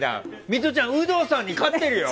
ミトちゃん有働さんに勝ってるよ！